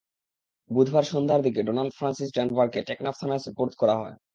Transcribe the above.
বুধবার সন্ধ্যার দিকে ডোনাল্ড ফ্রান্সিস ডানভারকে টেকনাফ থানায় সোপর্দ করা হয়।